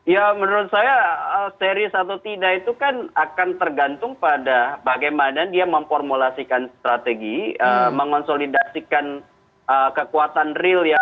ya menurut saya serius atau tidak itu kan akan tergantung pada bagaimana dia memformulasikan strategi mengonsolidasikan kekuatan real ya